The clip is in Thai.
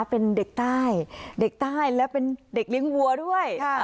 เป็นเด็กใต้เด็กใต้และเป็นเด็กเลี้ยงวัวด้วย